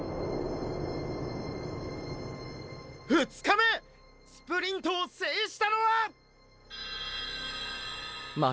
「２日目スプリントを制したのはーー！！」